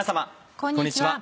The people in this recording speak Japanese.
こんにちは。